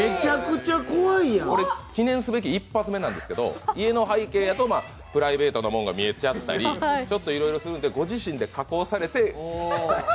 記念すべき一発目なんですけど、家の背景だとプライベートなものが見えちゃったり、ちょっといろいろするんでご自身で加工されて。